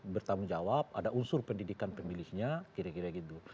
bertanggung jawab ada unsur pendidikan pemilihnya kira kira gitu